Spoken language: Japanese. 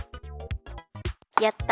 やった。